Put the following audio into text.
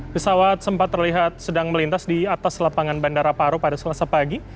pesawat sempat terlihat sedang melintas di atas lapangan bandara paro pada selasa pagi